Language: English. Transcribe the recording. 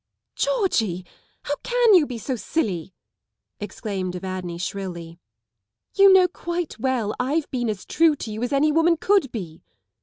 '*" Georgie, how can you be so silly! exclaimed Evadne shrilly. " You know quite well I've been as true to you as any woman could be."